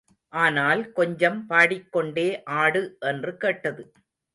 ஆனால் கொஞ்சம் பாடிக் கொண்டே ஆடு என்று கேட்டது.